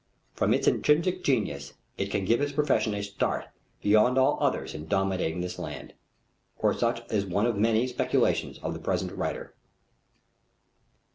From its intrinsic genius it can give his profession a start beyond all others in dominating this land. Or such is one of many speculations of the present writer.